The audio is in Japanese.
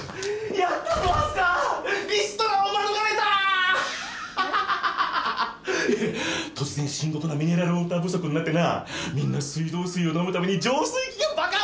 いや突然深刻なミネラルウオーター不足になってなみんな水道水を飲むために浄水器がバカ売れしてる！